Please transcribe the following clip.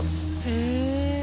へえ。